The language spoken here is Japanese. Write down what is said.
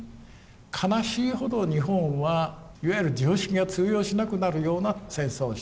悲しいほど日本はいわゆる常識が通用しなくなるような戦争をした。